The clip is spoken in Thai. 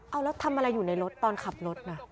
เอาแล้วทำอะไรอยู่ในรถตอนขับรถน่ะ